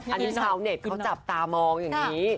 อันนี้ชาวเน็ตเขาจับตามองอย่างนี้